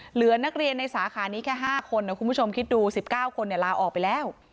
เหลือนักเรียนในสาขานี้แค่ห้าคนแล้วคุณผู้ชมคิดดูสิบเก้าคนเนี่ยลาออกไปแล้ว